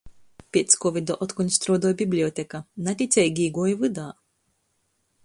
Piec kovida otkon struodoj biblioteka. Naticeigi īguoju vydā.